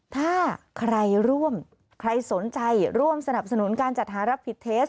ถ้าใครร่วมใครสนใจร่วมสนับสนุนการจัดหารับผิดเทส